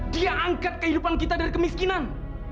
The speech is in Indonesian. dia angkat kehidupan kita dari kemiskinan